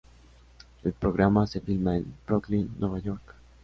El programa se filma en Brooklyn, Nueva York.